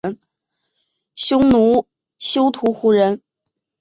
匈奴休屠胡人。